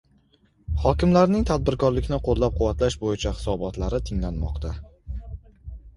Hokimlarning tadbirkorlikni qo‘llab-quvvatlash bo‘yicha hisobotlari tinglanmoqda